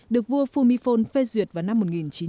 được vua phumibol phê duyệt vào năm một nghìn chín trăm bảy mươi bảy